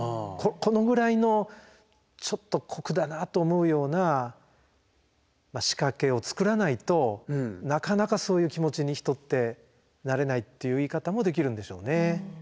このぐらいのちょっと酷だなあと思うような仕掛けを作らないとなかなかそういう気持ちに人ってなれないっていう言い方もできるんでしょうね。